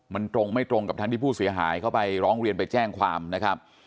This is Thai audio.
มันตรงไม่ตรงกับทั้งที่ผู้เสียหายเขาไปร้องเรียนไปแจ้งความนะครับ